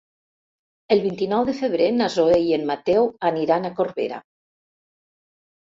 El vint-i-nou de febrer na Zoè i en Mateu aniran a Corbera.